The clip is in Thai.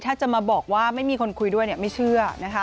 ถ้าจะมาบอกว่าไม่มีคนคุยด้วยไม่เชื่อนะคะ